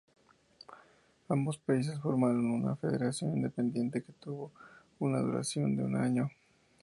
Ambos países formaron una federación independiente que tuvo una duración de un año.